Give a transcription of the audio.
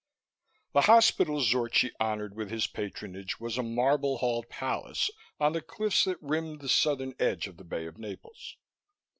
The hospital Zorchi honored with his patronage was a marble halled palace on the cliffs that rimmed the southern edge of the Bay of Naples.